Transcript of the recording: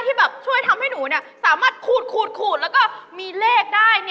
ที่แบบช่วยทำให้หนูสามารถขูดแล้วก็มีเลขได้